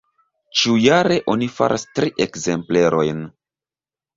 Ĉiujare oni faras tri ekzemplerojn.